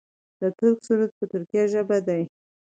د ترک سرود په ترکۍ ژبه دی.